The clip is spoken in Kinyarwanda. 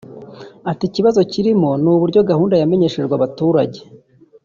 Ati “ Ikibazo kirimo ni uburyo gahunda yamenyeshejwe abaturage